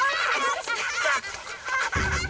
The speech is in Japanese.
ハハハハ！